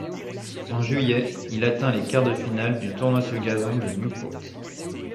En juillet, il atteint les quarts de finale du tournoi sur gazon de Newport.